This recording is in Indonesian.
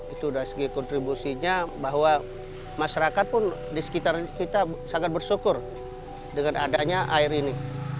itu dari segi kontribusinya bahwa masyarakat pun di sekitar kita sangat bersyukur dengan adanya air ini